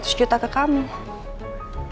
malah ini juga saya akan keluar kota bu